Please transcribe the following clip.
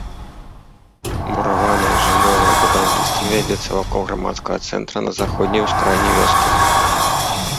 Мураванае жыллёвае будаўніцтва вядзецца вакол грамадскага цэнтра на заходняй ускраіне вёскі.